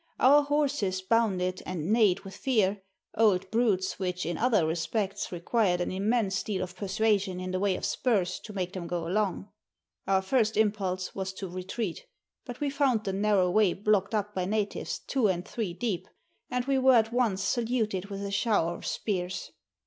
Our horses bounded and neighed with fear old brutes, which in other respects re quired an immense deal of persuasion in the way of spurs to make them go along. Our first impulse was to retreat, but we found the narrow way blocked up by natives two and three deep, and we were at once saluted with a shower of spears.